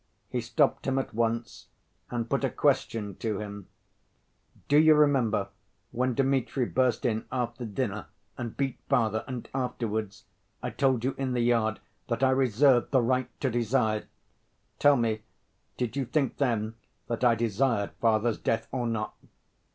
He stopped him at once, and put a question to him: "Do you remember when Dmitri burst in after dinner and beat father, and afterwards I told you in the yard that I reserved 'the right to desire'?... Tell me, did you think then that I desired father's death or not?"